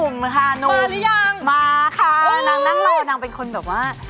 มันเปลี่ยนฟิล์ลเลย